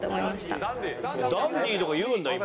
ダンディーとか言うんだ今。